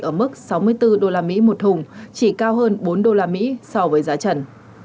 ở mức sáu mươi bốn đô la mỹ một thùng chỉ cao hơn bốn đô la mỹ so với giá trần